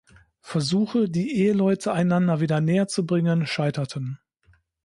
Versuche, die Eheleute einander wieder näher zu bringen, scheiterten.